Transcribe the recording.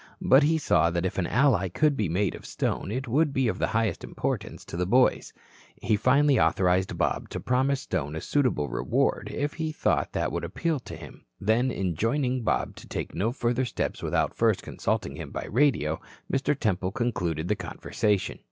But he saw that if an ally could be made of Stone it would be of the highest importance to the boys. He finally authorized Bob to promise Stone a suitable reward, if he thought that would appeal to him. Then, enjoining Bob to take no further steps without first consulting him by radio, Mr. Temple concluded the conversation.